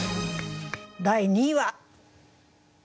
第２位は。